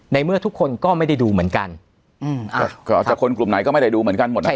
ในเมื่อทุกคนก็ไม่ได้ดูเหมือนกันอืมอ่าก็อาจจะคนกลุ่มไหนก็ไม่ได้ดูเหมือนกันหมดนะครับ